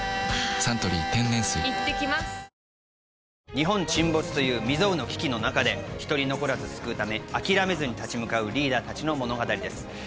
「日本沈没」という未曽有の危機の中で１人残らず救うため諦めずに立ち向かうリーダー達の物語です